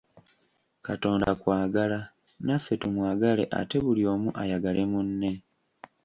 Katonda kwagala, naffe tumwagale ate buli omu ayagale munne.